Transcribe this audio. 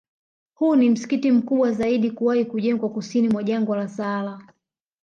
Huu ni msikiti mkubwa zaidi kuwahi kujengwa Kusini mwa Jangwa la Sahara